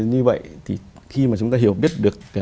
như vậy thì khi mà chúng ta hiểu biết được